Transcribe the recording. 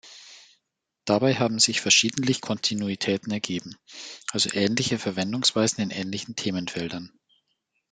Dabei haben sich verschiedentlich Kontinuitäten ergeben, also ähnliche Verwendungsweisen in ähnlichen Themenfeldern.